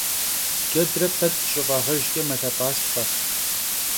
Cedre pet şıf'ağejjç'e melhep'astxhe.